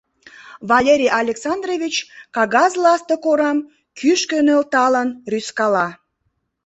— Валерий Александрович кагаз ластык орам кӱшкӧ нӧлталын рӱзкала.